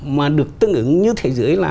mà được tương ứng như thế giới là